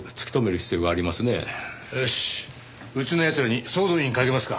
よしうちの奴らに総動員かけますか。